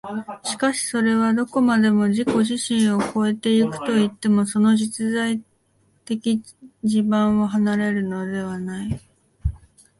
しかしそれはどこまでも自己自身を越え行くといっても、その実在的地盤を離れるのではない。